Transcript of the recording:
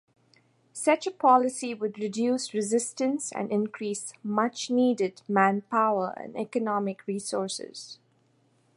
Such a policy would reduce resistance and increase much-needed manpower and economic resources.